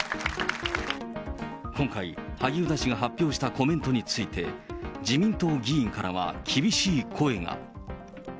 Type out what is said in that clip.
今回、萩生田氏が発表したコメントについて、自民党議員からは厳しい声が。